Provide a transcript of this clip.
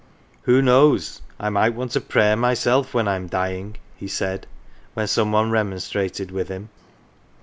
" Who knows, I might want a prayer myself when I am dying," he said, when some one remonstrated with him.